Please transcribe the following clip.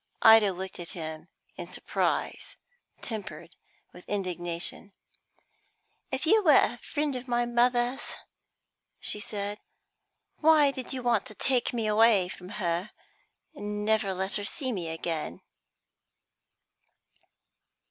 Ida looked at him in surprise, tempered with indignation. "If you were a friend of mother's," she said, "why did you want to take me away from her and never let her see me again?"